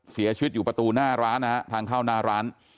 เสียชีวิตอยู่ประตูหน้าร้านนะฮะทางเข้าหน้าร้าน